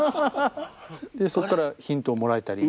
でそこからヒントをもらえたり？